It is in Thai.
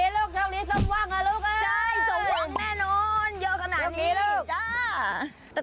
โดยลักษณ์นี้ร่วงแน่นอนเยอะขนาดนี้